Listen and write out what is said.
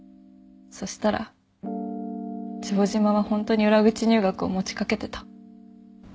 そしたら城島はホントに裏口入学を持ち掛けてた。